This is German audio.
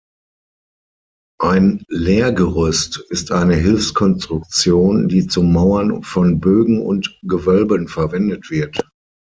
Ein Lehrgerüst ist eine Hilfskonstruktion, die zum Mauern von Bögen und Gewölben verwendet wird.